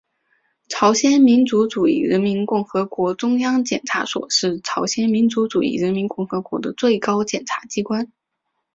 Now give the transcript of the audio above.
朝鲜民主主义人民共和国中央检察所是朝鲜民主主义人民共和国的最高检察机关。